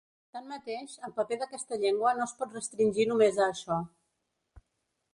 Tanmateix, el paper d’aquesta llengua no es pot restringir només a això.